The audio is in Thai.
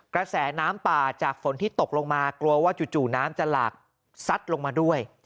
กระแสน้ำป่าจากฝนที่ตกลงมากลัวว่าจู่น้ำจะหลากซัดลงมาด้วย